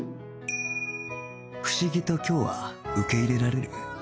不思議と今日は受け入れられる